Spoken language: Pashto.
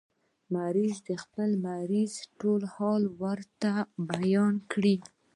مریض د خپل مرض ټول حال ورته بیان کړ.